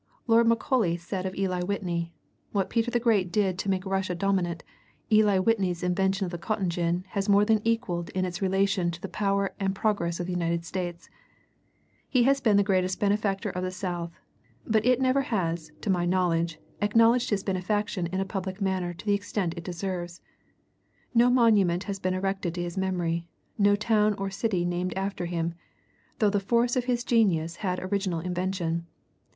Lord Macaulay said of Eli Whitney: 'What Peter the Great did to make Russia dominant, Eli Whitney's invention of the cotton gin has more than equaled in its relation to the power and progress of the United States.' He has been the greatest benefactor of the South, but it never has, to my knowledge, acknowledged his benefaction in a public manner to the extent it deserves no monument has been erected to his memory, no town or city named after him, though the force of his genius has original invention.